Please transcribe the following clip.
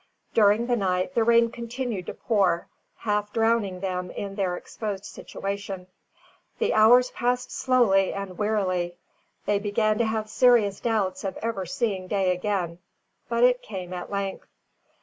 During the night, the rain continued to pour, half drowning them in their exposed situation. The hours passed slowly and wearily. They began to have serious doubts of ever seeing day again; but it came at length.